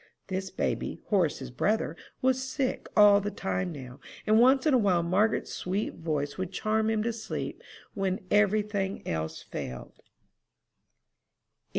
This baby, Horace's brother, was sick all the time now, and once in a while Margaret's sweet voice would charm him to sleep when every thing else failed.